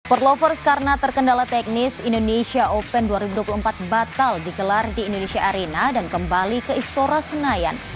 or lovers karena terkendala teknis indonesia open dua ribu dua puluh empat batal digelar di indonesia arena dan kembali ke istora senayan